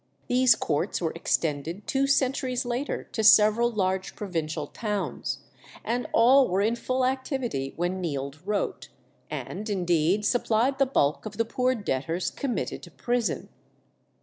These courts were extended two centuries later to several large provincial towns, and all were in full activity when Neild wrote, and indeed supplied the bulk of the poor debtors committed to prison.